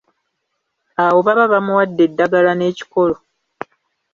Awo baba bamuwadde eddagala n'ekikolo.